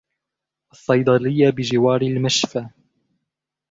الصيدلية بجوار المشفى.